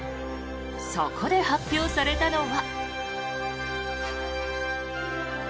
そこで発表されたのは。